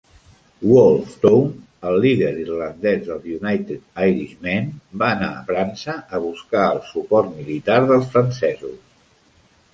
Wolfe Tone, el líder irlandès dels United Irishmen, va anar a França a buscar el suport militar dels francesos.